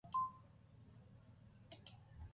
هغوی ته یې ډېرې زیاتې پیسې ورکړې وې.